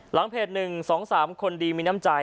เพจ๑๒๓คนดีมีน้ำใจ